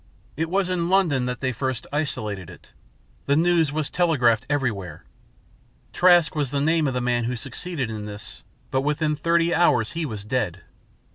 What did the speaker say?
It was in London that they first isolated it. The news was telegraphed everywhere. Trask was the name of the man who succeeded in this, but within thirty hours he was dead.